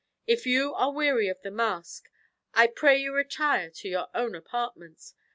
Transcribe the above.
If you are weary of the masque, I pray you retire to your own apartments.